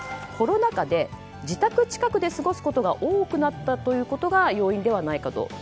コロナ禍で自宅近くで過ごすことが多くなったことが要因ではないかと。